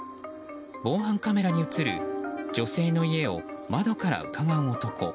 防犯カメラに映る女性の家を窓からうかがう男。